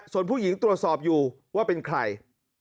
ส่วนผู้หญิงตรวจสอบอยู่ว่าเป็นใคร